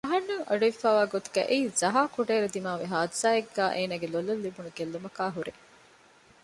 އަހަންނަށް އަޑުއިވިފައިވާ ގޮތުގައި އެއީ ޒަހާ ކުޑައިރު ދިމާވި ޙާދިޘާއެއްގައި އޭނާގެ ލޮލަށް ލިބުނު ގެއްލުމަކާއި ހުރޭ